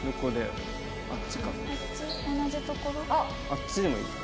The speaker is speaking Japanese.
あっちでもいい。